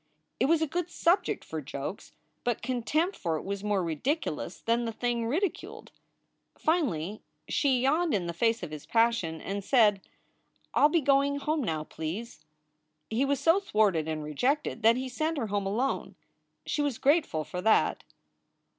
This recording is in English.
It was a good subject for jokes, but contempt for it was more ridiculous than the thing ridiculed. Finally she yawned in the face of his passion and said, "I ll be going home now, please." He was so thwarted and rejected that he sent her home alone. She was grateful for that.